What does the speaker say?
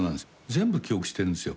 全部記憶してるんですよ。